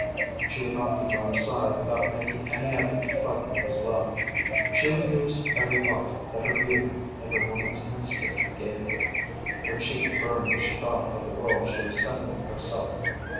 She would not be thrown aside without making any effort to fight for his love. She would use every art that her beauty and her woman's instinct gave her. Her cheek burned as she thought of the role she was setting herself.